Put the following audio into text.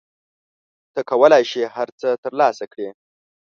ته کولای شې هر څه ترلاسه کړې.